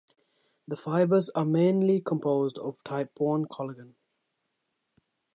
The fibers are mainly composed of type one collagen.